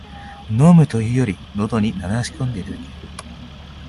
飲むというより、のどに流し込んでるだけ